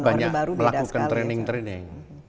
banyak melakukan training training